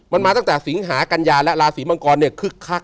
มันมาตั้งแต่สิงหากัญญาและราศีมังกรเนี่ยคึกคัก